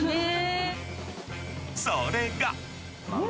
それが。